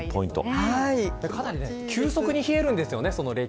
急速に冷えるんですよね。